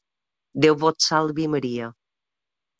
Déu vos salvi, Maria!